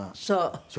そう。